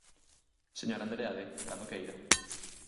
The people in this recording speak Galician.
Señor Andreade, cando queira.